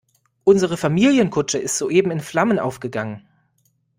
Unsere Familienkutsche ist soeben in Flammen aufgegangen.